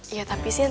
ya tapi sini